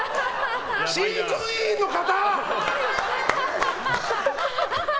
飼育員の方！